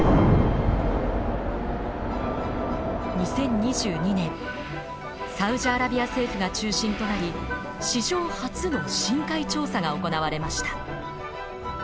２０２２年サウジアラビア政府が中心となり史上初の深海調査が行われました。